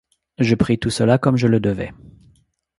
Je pris tout cela comme je le devais.